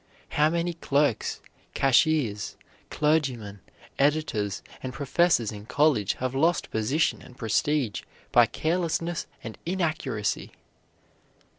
How many clerks, cashiers, clergymen, editors, and professors in colleges have lost position and prestige by carelessness and inaccuracy!